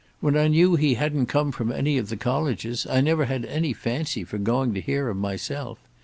When I knew he hadn't come from any of the colleges, I never had any fancy for going to hear him myself.